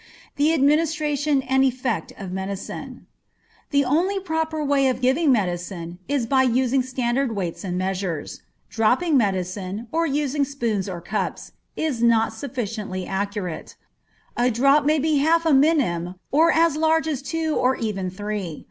The Administration and Effect of Medicine. The only proper way of giving medicine is by using standard weights and measures. Dropping medicine, or using spoons or cups, is not sufficiently accurate. A drop may be half a minim, or as large as two or even three.